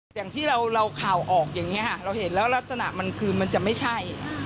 อย่างที่เราข่าวออกอย่างนี้ค่ะเราเห็นแล้วลักษณะมันคือมันจะไม่ใช่